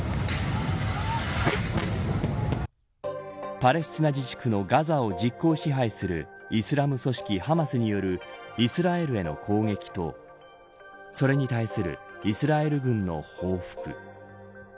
パレスチナ自治区のガザを実効支配するイスラム組織ハマスによるイスラエルへの攻撃とそれに対するイスラエル軍の報復。